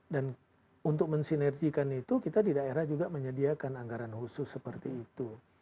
dan untuk mensinergikan itu kita di daerah juga menyediakan anggaran khusus seperti itu